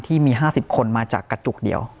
ที่มี๕๐คนมาจากกระจุกเดียว